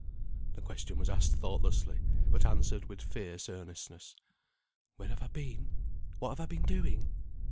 The question was asked thoughtlessly, but answered with fierce earnestness. "Where have I been? What have I been doing?